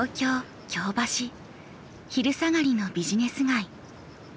昼下がりのビジネス街。